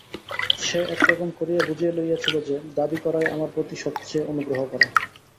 সে একরকম করিয়া বুঝিয়া লইয়াছিল যে দাবি করাই আমার প্রতি সব চেয়ে অনুগ্রহ করা।